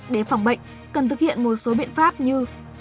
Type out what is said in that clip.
để phòng bệnh cần thực hiện một số biện pháp như